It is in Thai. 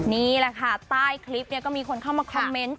นี่แหละค่ะใต้คลิปเนี่ยก็มีคนเข้ามาคอมเมนต์